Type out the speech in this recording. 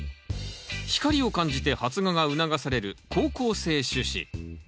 光を感じて発芽が促される好光性種子。